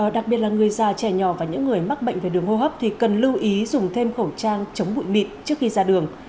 đặc biệt là người già trẻ nhỏ và những người mắc bệnh về đường hô hấp thì cần lưu ý dùng thêm khẩu trang chống bụi mịn trước khi ra đường